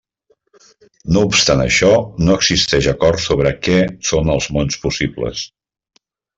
No obstant això, no existeix acord sobre què són els mons possibles.